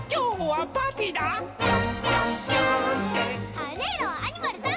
「はねろアニマルさん！」